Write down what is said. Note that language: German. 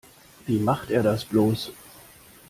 Wie macht er das bloß?